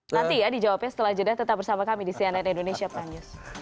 nanti ya dijawabnya setelah jeda tetap bersama kami di cnn indonesia prime news